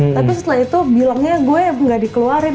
tapi setelah itu bilangnya gue gak dikeluarin